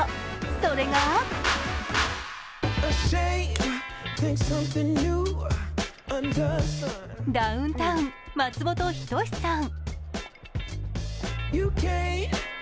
それがダウンタウン・松本人志さん